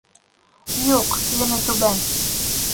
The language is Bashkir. Юҡ, килеме түбән.